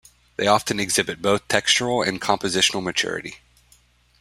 They often exhibit both textural and compositional maturity.